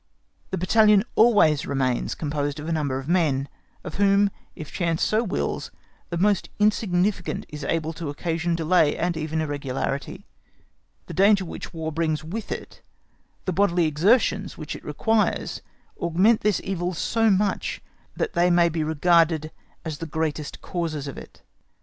The battalion always remains composed of a number of men, of whom, if chance so wills, the most insignificant is able to occasion delay and even irregularity. The danger which War brings with it, the bodily exertions which it requires, augment this evil so much that they may be regarded as the greatest causes of it.